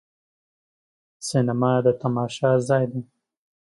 سینما د تماشا ځای دی.